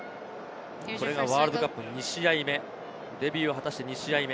これがワールドカップ２試合目、デビューを果たして２試合目。